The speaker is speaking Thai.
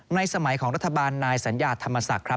สมัยของรัฐบาลนายสัญญาธรรมศักดิ์ครับ